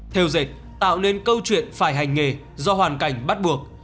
theo dệt tạo nên câu chuyện phải hành nghề do hoàn cảnh bắt buộc